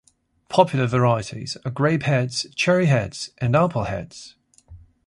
Popular varieties are Grapeheads, Cherryheads and Appleheads.